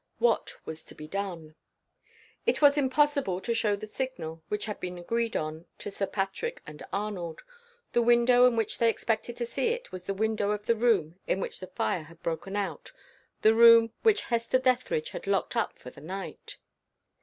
What was to be done? It was impossible, to show the signal which had been agreed on to Sir Patrick and Arnold. The window in which they expected to see it was the window of the room in which the fire had broken out the room which Hester Dethridge had locked up for the night.